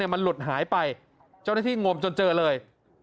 มันหลุดหายไปเจ้าหน้าที่งมจนเจอเลย